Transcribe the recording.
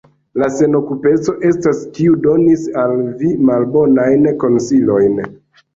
La senokupeco estas, kiu donis al vi malbonajn konsilojn.